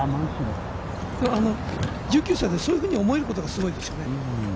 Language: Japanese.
１９歳で、そういうふうに思えることがすごいですね。